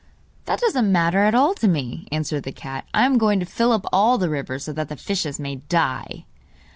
'That doesn't matter at all to me,' answered the cat. 'I am going to fill up all the river, so that the fishes may die.